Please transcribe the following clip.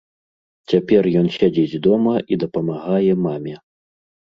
Цяпер ён сядзіць дома і дапамагае маме.